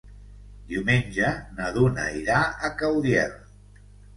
Diumenge na Duna irà a Caudiel.